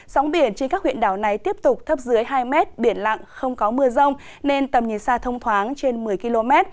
sóng biển trên các huyện đảo này tiếp tục thấp dưới hai mét biển lặng không có mưa rông nên tầm nhìn xa thông thoáng trên một mươi km